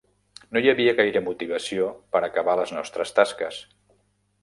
No hi havia gaire motivació per acabar les nostres tasques.